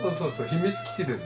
秘密基地ですね。